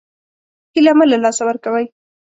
هیله مه له لاسه ورکوئ